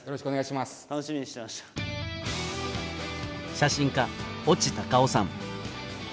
写真家越智貴雄さん。